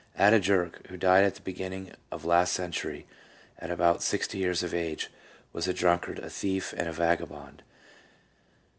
Ada Jurke, who died at the beginning of last century, at about sixty years of age, was a drunkard, a thief, and a vagabond.